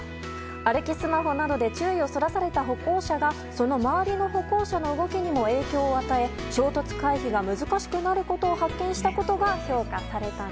歩きスマホなどで注意をそらされた歩行者がその周りの歩行者の動きにも影響を与え衝突回避が難しくなることを発見したことが評価されました。